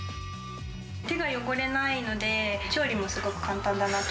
手が汚れないので、調理もすごく簡単だなと。